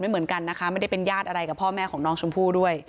เหมือนกันนะคะไม่ได้เป็นญาติอะไรกับพ่อแม่ของน้องชมพู่ด้วย